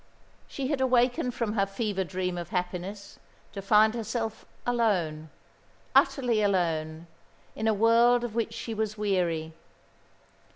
She had awakened from her fever dream of happiness, to find herself alone, utterly alone, in a world of which she was weary.